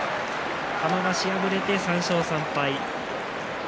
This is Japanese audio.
玉鷲、敗れて３勝３敗。